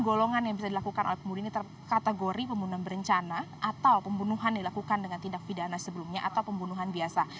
golongan yang bisa dilakukan oleh pemudi ini terkategori pembunuhan berencana atau pembunuhan dilakukan dengan tindak pidana sebelumnya atau pembunuhan biasa